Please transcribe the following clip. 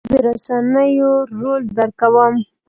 زه د رسنیو رول درک کوم.